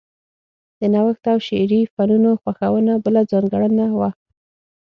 د نوښت او شعري فنونو خوښونه بله ځانګړنه وه